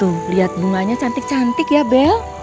tuh lihat bunganya cantik cantik ya bel